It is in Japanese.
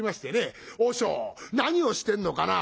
「和尚何をしてんのかなぁ。